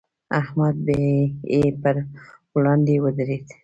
احمد یې پر وړاندې ودرېد.